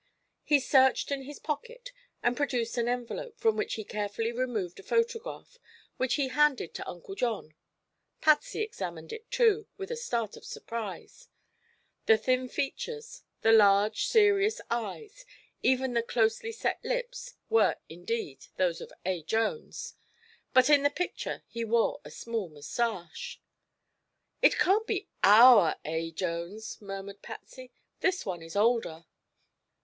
He searched in his pocket and produced an envelope from which he carefully removed a photograph, which he handed to Uncle John. Patsy examined it, too, with a start of surprise. The thin features, the large serious eyes, even the closely set lips were indeed those of A. Jones. But in the picture he wore a small mustache. "It can't be our A. Jones," murmured Patsy. "This one is older."